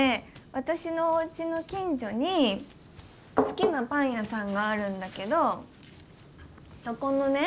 私のおうちの近所に好きなパン屋さんがあるんだけどそこのね